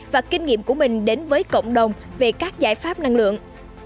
và kinh nghiệm của mình đến với cộng đồng về các giải pháp năng lượng